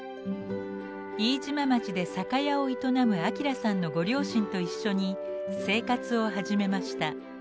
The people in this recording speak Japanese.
飯島町で酒屋を営む明さんのご両親と一緒に生活を始めました。